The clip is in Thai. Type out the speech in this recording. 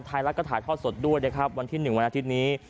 ถ่ายแล้วก็ถ่ายทอดสดด้วยด้วยครับวันที่หนึ่งวันอาทิตย์นี้